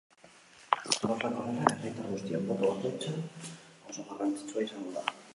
Gauzak horrela, herritar guztien boto bakoitza oso garrantzitsua izango da.